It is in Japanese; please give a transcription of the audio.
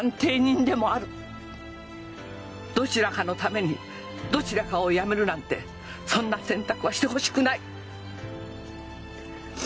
どちらかのためにどちらかをやめるなんてそんな選択はしてほしくない！